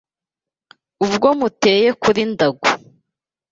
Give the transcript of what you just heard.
Ubwo muteye kuri Ndago